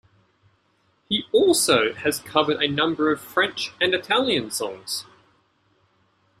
He also has covered a number of French and Italian songs.